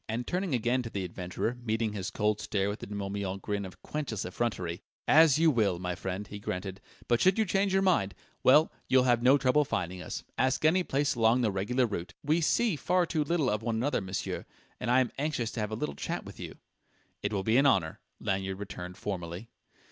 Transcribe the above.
And turning again to the adventurer, meeting his cold stare with the De Morbihan grin of quenchless effrontery "As you will, my friend!" he granted. "But should you change your mind well, you'll have no trouble finding us. Ask any place along the regular route. We see far too little of one another, monsieur and I am most anxious to have a little chat with you." "It will be an honour," Lanyard returned formally....